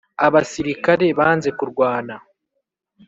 Abasirikare banze kurwana.